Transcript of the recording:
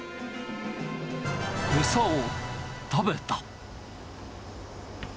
餌を食べた。